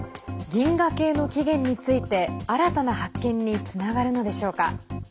銀河系の起源について新たな発見につながるのでしょうか。